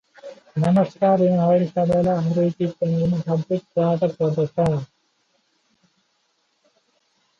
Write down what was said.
The Blow was formed in Olympia, Washington.